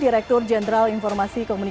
dan menyebabkan perjalanan perjalanan ke dunia